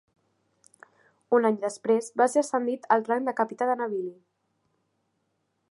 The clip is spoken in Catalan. Un any després va ser ascendit al rang de capità de navili.